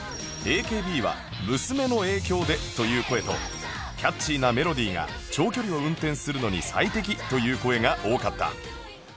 ＡＫＢ は娘の影響でという声とキャッチーなメロディーが長距離を運転するのに最適という声が多かった